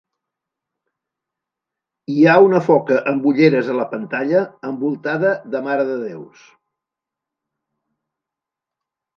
Hi ha una foca amb ulleres a la pantalla envoltada de marededéus.